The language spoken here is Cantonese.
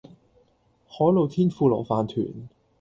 海老天婦羅飯糰